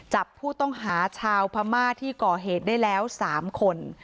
จับผู้ต้องหาชาวพม่าที่ก่อเหตุได้แล้ว๓คน